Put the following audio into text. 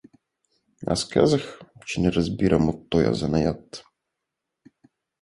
Аз казах, че не разбирам от тоя занаят.